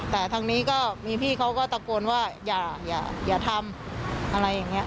แต่ทางนี้ก็มีพี่เขาก็ตะโกนว่าอย่าทำอะไรอย่างนี้